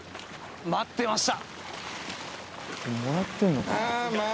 待ってました！